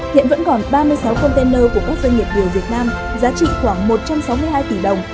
hiện vẫn còn ba mươi sáu container của các doanh nghiệp người việt nam giá trị khoảng một trăm sáu mươi hai tỷ đồng